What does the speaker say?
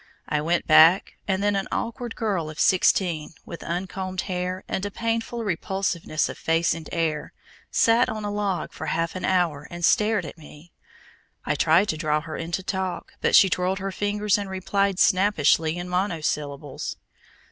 I went back, and then an awkward girl of sixteen, with uncombed hair, and a painful repulsiveness of face and air, sat on a log for half an hour and stared at me. I tried to draw her into talk, but she twirled her fingers and replied snappishly in monosyllables.